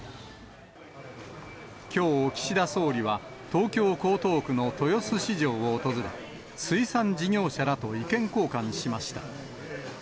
きょう、岸田総理は東京・江東区の豊洲市場を訪れ、水産事業者らと意見交換しました。